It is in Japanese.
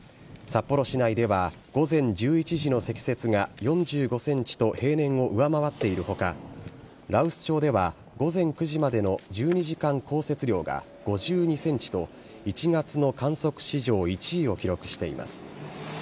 札幌市内では午前１１時の積雪が４５センチと平年を上回っているほか、羅臼町では、午前９時までの１２時間降雪量が５２センチと、１月の観測史上、１位を記録しています。